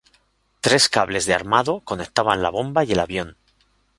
Tres cables de armado conectaban la bomba y el avión.